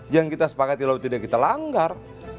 jangan kita sepakat kalau tidak kita langgar